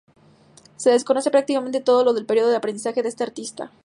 Se desconoce prácticamente todo del período de aprendizaje de este artista.